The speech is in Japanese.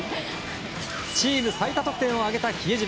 チーム最多得点を挙げた比江島。